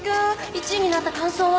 １位になった感想は？